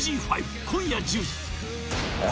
今夜１０時。